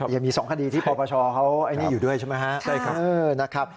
ยังมีสองคดีที่พปชเขาอยู่ด้วยใช่ไหมครับ